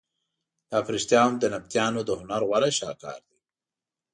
دا په رښتیا هم د نبطیانو د هنر غوره شهکار دی.